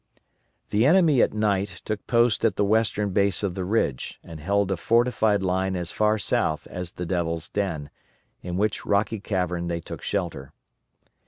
The enemy at night took post at the western base of the ridge, and held a fortified line as far south as the Devil's Den, in which rocky cavern they took shelter.